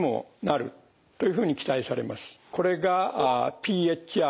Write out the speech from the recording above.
これがＰＨＲ